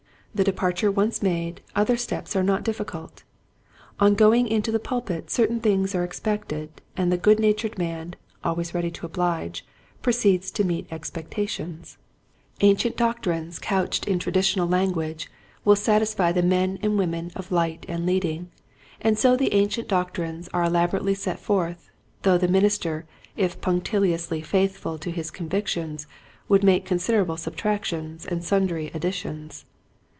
The departure once made other steps are not difficult. On going into the pulpit certain things are expected and the good natured man, always ready to oblige, proceeds to meet expectations. Ancient Dishonesty. 1 1 3 doctrines couched in traditional language will satisfy the men and women of light and leading, and so the ancient doctrines are elaborately set forth, though the min ister if punctiliously faithful to his convic tions would make considerable subtractions and sundry additions.